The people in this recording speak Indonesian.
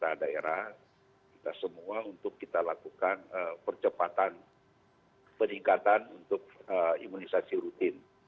pemerintah daerah kita semua untuk kita lakukan percepatan peningkatan untuk imunisasi rutin